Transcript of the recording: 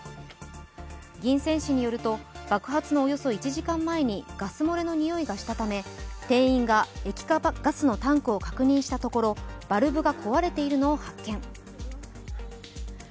銀川市によると、爆発のおよそ１時間前にガス漏れのにおいがしたため店員が液化ガスのタンクを確認したところバルブが壊れているのを発見。